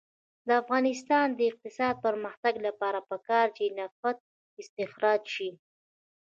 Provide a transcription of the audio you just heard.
د افغانستان د اقتصادي پرمختګ لپاره پکار ده چې نفت استخراج شي.